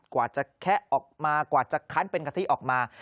กว่าจะแคะออกมากว่าจะคั้นเป็นกะทิออกมา